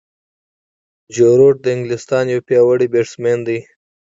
جو روټ د انګلستان یو پیاوړی بیټسمېن دئ.